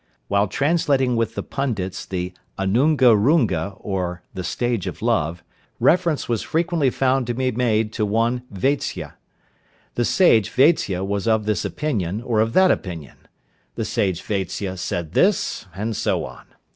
While translating with the pundits the 'Anunga runga, or the stage of love,' reference was frequently found to be made to one Vatsya. The sage Vatsya was of this opinion, or of that opinion. The sage Vatsya said this, and so on.